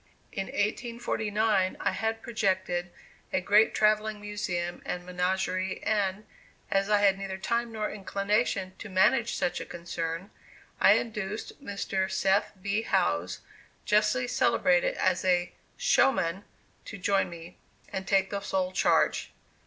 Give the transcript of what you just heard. In 1849 I had projected a great travelling museum and menagerie, and, as I had neither time nor inclination to manage such a concern, I induced Mr. Seth B. Howes, justly celebrated as a "showman," to join me, and take the sole charge.